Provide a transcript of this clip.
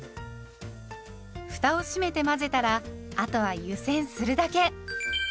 ふたを閉めて混ぜたらあとは湯煎するだけ。